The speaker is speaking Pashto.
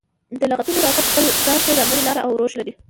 د لغتونو راتګ خپل ځان ته ځانګړې لاره او روش لري.